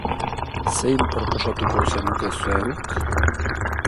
Zein proposatuko zenuke zeuk?